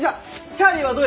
チャーリー。